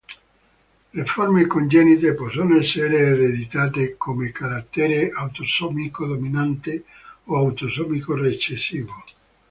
Le forme congenite possono essere ereditate come carattere autosomico dominante o autosomico recessivo.